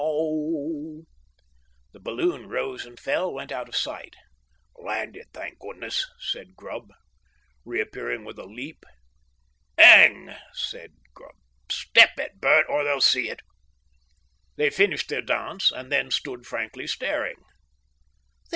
The balloon rose and fell, went out of sight "landed, thank goodness," said Grubb re appeared with a leap. "'ENG!" said Grubb. "Step it, Bert, or they'll see it!" They finished their dance, and then stood frankly staring.